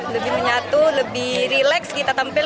lebih menyatu lebih relax kita tampil